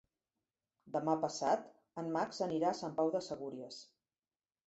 Demà passat en Max anirà a Sant Pau de Segúries.